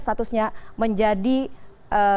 statusnya menjadi kepenyidikan